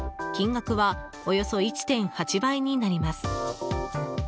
金額はおよそ１．８倍になります。